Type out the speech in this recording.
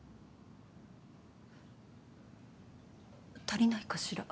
足りないかしら？